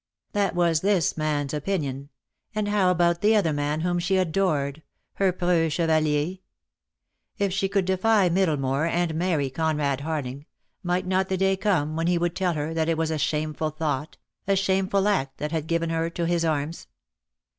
That was this man's opinion; and how about the other man whom she adored — her preux chevalier? If she could defy Middlemore and marry Conrad Harling, might not the day come when he would tell her that it was a shameful thought, a shameful act that had given her to his arms?